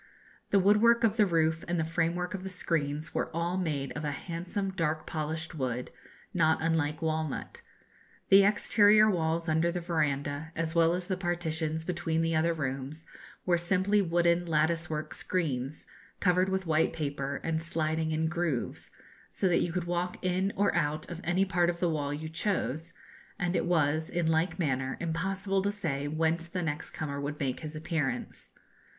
The woodwork of the roof and the framework of the screens were all made of a handsome dark polished wood, not unlike walnut. The exterior walls under the verandah, as well as the partitions between the other rooms, were simply wooden lattice work screens, covered with white paper, and sliding in grooves; so that you could walk in or out at any part of the wall you chose, and it was, in like manner, impossible to say whence the next comer would make his appearance.